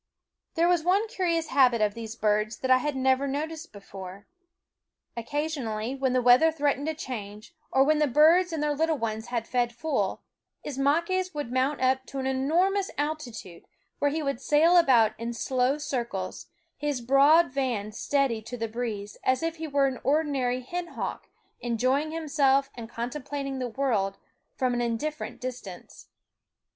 There was one curious habit of these birds that I had never noticed before. Occasion ally, when the weather threatened a change, THE WOODS or when the birds and their little ones had fed full, Ismaques would mount up to an enor mous altitude, where he would sail about in slow circles, his broad vans steady to the breeze, as if he were an ordinary hen hawk, enjoying himself and contemplating the world from an indifferent distance.